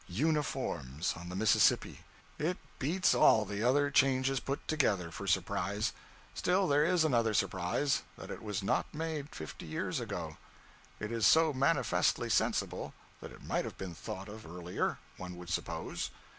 Uniforms on the Mississippi! It beats all the other changes put together, for surprise. Still, there is another surprise that it was not made fifty years ago. It is so manifestly sensible, that it might have been thought of earlier, one would suppose.